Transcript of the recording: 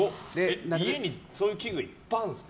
家に、そういう器具いっぱいあるんですか？